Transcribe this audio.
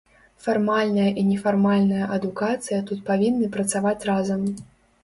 Фармальная і нефармальная адукацыя тут павінны працаваць разам.